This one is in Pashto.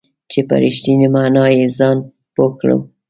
چې په رښتینې معنا یې ځان پوه کړو .